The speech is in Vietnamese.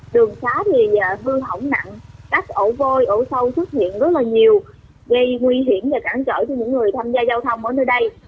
đường xá thì hư hỏng nặng các ổ vôi ổ sâu xuất hiện rất là nhiều gây nguy hiểm và cản trở cho những người tham gia giao thông ở nơi đây